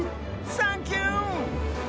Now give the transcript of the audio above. サンキュー！